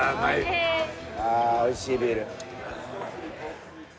おいしいビール。